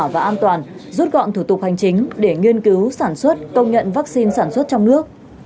và an toàn rút gọn thủ tục hành chính để nghiên cứu sản xuất công nhận vaccine sản xuất trong nước